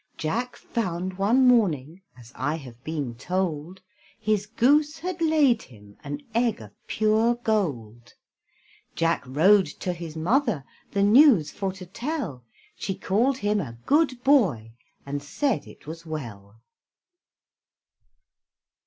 Jack found one morning, As I have been told, His goose had laid him An egg of pure gold. Jack rode to his mother, The news for to tell. She called him a good boy, And said it was well.